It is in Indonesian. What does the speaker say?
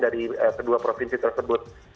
dari kedua provinsi tersebut